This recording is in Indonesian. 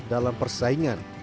dan kalah dalam persaingan